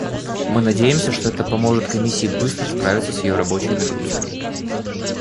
Мы надеемся, что это поможет Комиссии быстро справиться с ее рабочей нагрузкой.